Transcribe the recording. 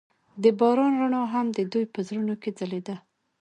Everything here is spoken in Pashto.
د باران رڼا هم د دوی په زړونو کې ځلېده.